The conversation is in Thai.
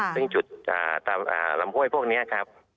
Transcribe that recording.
ซึ่งจุดตามลำห้วยพวกนี้ครับ